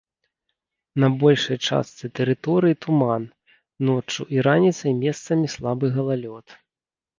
На большай частцы тэрыторыі туман, ноччу і раніцай месцамі слабы галалёд.